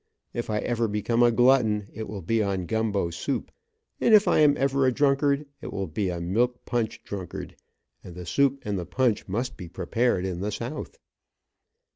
If I ever become a glutton, it will be on gumbo soup, and if I am ever a drunkard, it will be a milk punch drunkard, and the soup and the punch must be prepared in the South.